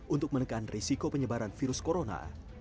untuk menekan risiko penyebaran virus corona